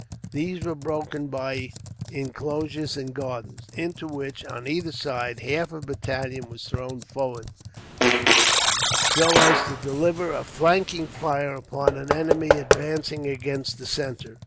These were broken by inclosures and gardens; into which, on either side, half a battalion was thrown forward, so as to deliver a flanking fire upon an enemy advancing against the centre.